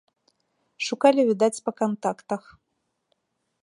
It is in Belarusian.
Шукалі, відаць, па кантактах.